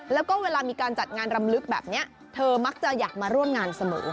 แล้วก็เวลามีการจัดงานรำลึกแบบนี้เธอมักจะอยากมาร่วมงานเสมอ